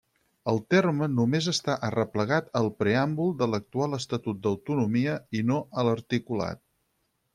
El terme només està arreplegat al preàmbul de l'actual Estatut d'Autonomia i no a l'articulat.